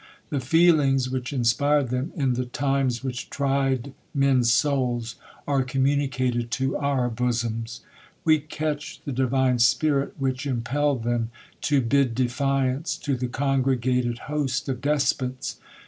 The feelings, which inspired them in; the " times vvhich fried men's souls," are communicated to our bosoms. We catch the divine spirit which im pelled them to bid defiance to the congregated host of despots.